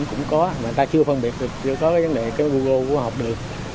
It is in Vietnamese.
mà người ta chưa phân biệt được chưa có vấn đề google của học đường